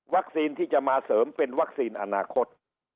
ที่จะมาเสริมเป็นวัคซีนอนาคต